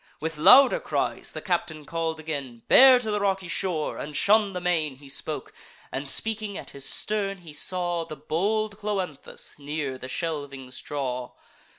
With louder cries the captain call'd again: "Bear to the rocky shore, and shun the main." He spoke, and, speaking, at his stern he saw The bold Cloanthus near the shelvings draw.